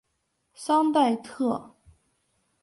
桑代特。